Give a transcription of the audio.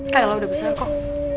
kayla udah besar kok